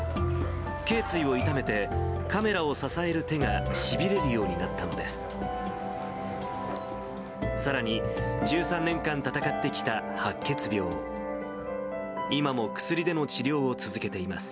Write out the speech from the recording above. けい椎を痛めて、カメラを支える手がしびれるようになったのです。